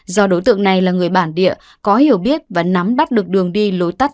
do đối tượng này là người bản địa có hiểu biết và nắm bắt được đường đi lối tắt